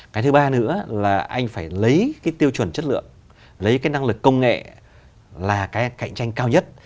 cái thứ ba nữa là anh phải lấy cái tiêu chuẩn chất lượng lấy cái năng lực công nghệ là cái cạnh tranh cao nhất